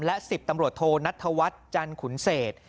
และ๑๐ตำรวจโทนัทธวัฒน์จันขุนเศษ